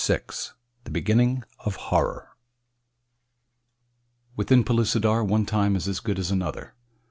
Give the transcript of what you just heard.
VI THE BEGINNING OF HORROR WITHIN PELLUCIDAR ONE TIME IS AS GOOD AS ANOTHER.